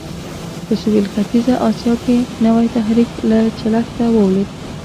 په سوېل ختیځه اسیا کې نوی تحرک له چلښته ولوېد.